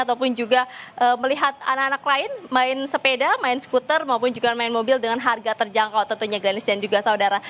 ataupun juga melihat anak anak lain main sepeda main skuter maupun juga main mobil dengan harga terjangkau tentunya granis dan juga saudara